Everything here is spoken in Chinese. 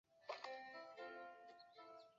蒂卡尔是玛雅文明的文化和人口中心之一。